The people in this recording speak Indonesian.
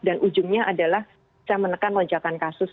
dan ujungnya adalah bisa menekan lonjakan kasus